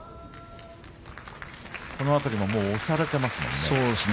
この辺りも押されてますね。